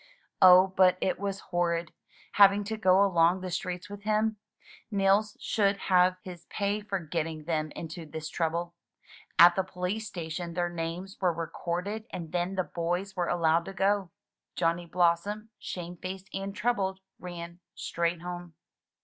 Oh, but it was horrid, having to go along the streets with him! Nils should have his pay for getting them into this trouble! At the police station their names were recorded and then the boys were allowed to go. Johnny Blossom, shamefaced and troubled, ran straight home.